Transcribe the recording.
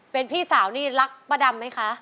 เป็นพี่สาวนี่รักป้าดำไหมคะ